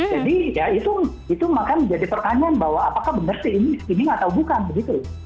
jadi ya itu maka menjadi pertanyaan bahwa apakah benar sih ini skimming atau bukan begitu